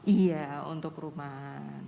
iya untuk rumahan